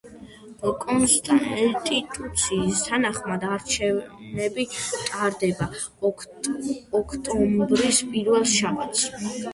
კონსტიტუციის თანახმად არჩევნები ტარდება ოქტომბრის პირველ შაბათს.